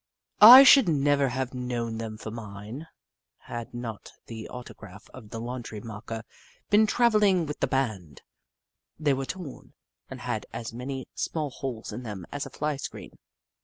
I should never have known them for mine, had not the auto graph of the laundry marker been travelling with the band. They were torn, and had as many small holes in them as a fly screen.